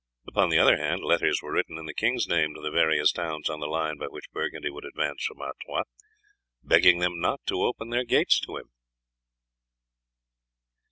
Upon the other hand, letters were written in the king's name to the various towns on the line by which Burgundy would advance from Artois, begging them not to open their gates to him.